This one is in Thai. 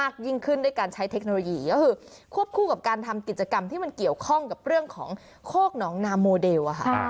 กิจกรรมที่มันเกี่ยวข้องกับเรื่องของโคกน้องนามโมเดล